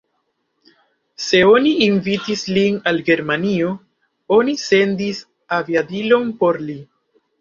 Se oni invitis lin al Germanio, oni sendis aviadilon por li.